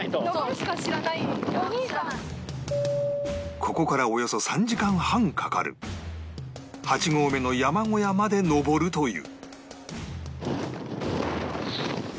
ここからおよそ３時間半かかる８合目の山小屋まで登るという